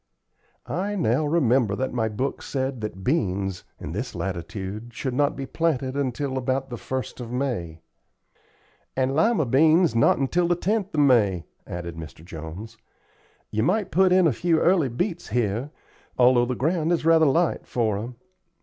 I now remember that my book said that beans, in this latitude, should not be planted until about the 1st of May." "And lima beans not till the 10th of May," added Mr. Jones. "You might put in a few early beets here, although the ground is rather light for 'em.